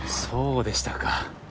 そうでしたか。